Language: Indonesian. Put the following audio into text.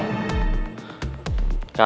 kenapa gak boleh